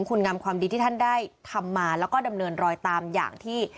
คุณงามความดีที่ท่านได้ทำมาแล้วก็ดำเนินรอยตามอย่างที่